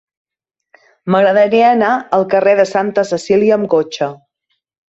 M'agradaria anar al carrer de Santa Cecília amb cotxe.